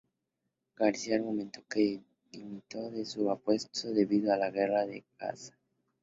García argumentó que dimitió de su puesto debido a la Guerra en Gaza.